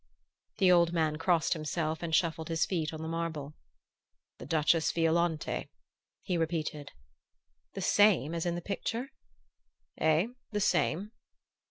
The old man crossed himself and shuffled his feet on the marble. "The Duchess Violante," he repeated. "The same as in the picture?" "Eh the same."